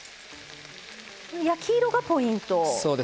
焼き色がポイント。